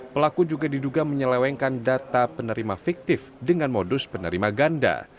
pelaku juga diduga menyelewengkan data penerima fiktif dengan modus penerima ganda